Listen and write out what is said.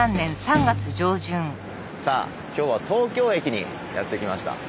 さあ今日は東京駅にやって来ました。